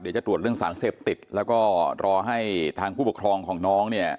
เดี๋ยวจะตรวจเรื่องสารเสพติดแล้วก็รอให้ทางผู้ปกครองของน้องเนี่ย